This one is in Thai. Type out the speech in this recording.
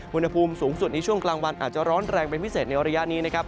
อุณหภูมิสูงสุดในช่วงกลางวันอาจจะร้อนแรงเป็นพิเศษในระยะนี้นะครับ